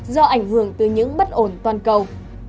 do ảnh hưởng từ những bất ổn toàn cầu